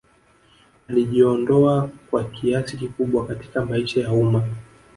Alijiondoa kwa kiasi kikubwa katika maisha ya umma